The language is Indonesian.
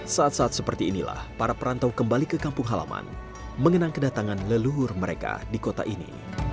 saat saat seperti inilah para perantau kembali ke kampung halaman mengenang kedatangan leluhur mereka di kota ini